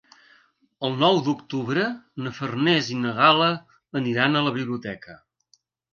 El nou d'octubre na Farners i na Gal·la aniran a la biblioteca.